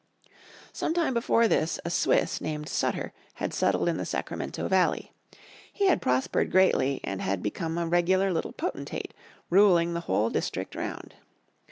Some time before this a Swiss named Sutter had settled in the Sacramento Valley. He had prospered greatly, and had become a regular little potentate, ruling the whole district round.